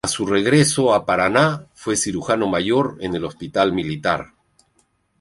A su regreso a Paraná fue cirujano mayor en el Hospital Militar.